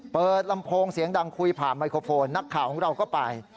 ลำโพงเสียงดังคุยผ่านไมโครโฟนนักข่าวของเราก็ไป